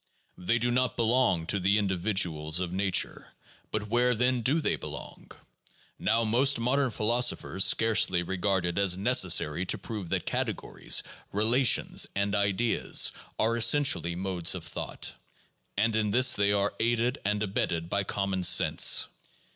They do not belong to the individuals of nature. But where, then, do they belong? Now most modern philosophers scarcely regard it as necessary to prove that categories, relations, and ideas, are essentially modes of thought; and in this they are aided and abetted by common sense.